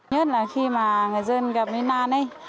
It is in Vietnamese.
nhất là khi mà người dân gặp nguyên an ấy